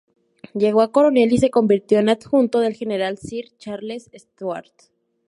Llegó a coronel y se convirtió en adjunto del general Sir Charles Stuart.